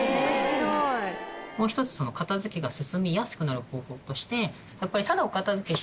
もう一つ片付けが進みやすくなる方法として。